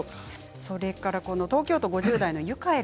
それから東京都５０代の方です。